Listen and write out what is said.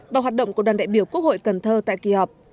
và hoạt động của đoàn đại biểu quốc hội cần thơ tại kỳ họp